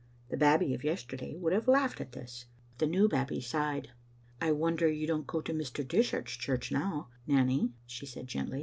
The Babbie of yesterday would have laughed at this, but the new Babbie sighed. " I wonder you don't go to Mr. Dishart's church now, Nanny," she said, gently.